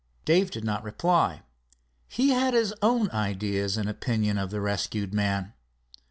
Dave did not reply. He had his own ideas and opinion of the rescued man.